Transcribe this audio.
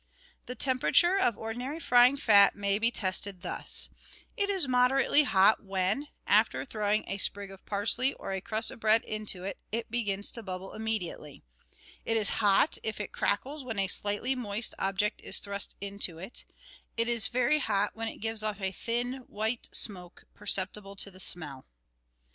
The temperature of ordinary frying fat may be tested thus : it is moderately hot when, after throwing a sprig of parsley or a crust of bread into it, it begins to bubble immediately; it is hot if it crackles when a slightly moist object is thrust into it; it is very hot when it gives off a thin white smoke per ceptible to the smell.